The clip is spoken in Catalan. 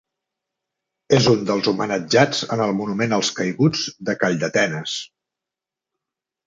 És un dels homenatjats en el Monument als Caiguts de Calldetenes.